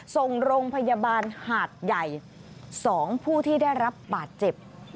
ส่งโรงพยาบาลหาดใหญ่๒ผู้ที่ได้รับบาดเจ็บ